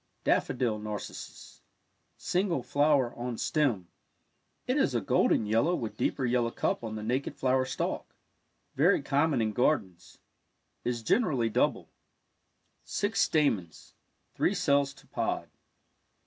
Daffodil Narcissus. — Single flower on stem —it is a golden yellow with deeper yellow cup on the naked flower stalk. Very common in gardens — is generally double. Six stamens — three cells to pod.